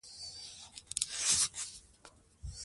ملالۍ د چوپان لور نه وه.